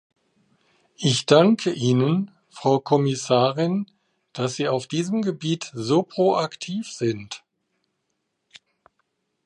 Ich danke Ihnen, Frau Kommissarin, dass Sie auf diesem Gebiet so proaktiv sind.